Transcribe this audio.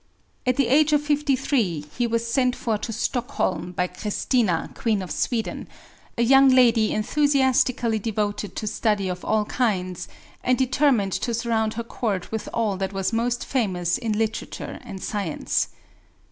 At the age of fifty three he was sent for to Stockholm by Christina, Queen of Sweden, a young lady enthusiastically devoted to study of all kinds and determined to surround her Court with all that was most famous in literature and science.